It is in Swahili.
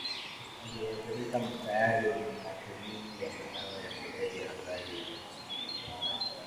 aliyeathirika tayari Matumizi ya madawa ya kulevya huathiri utashi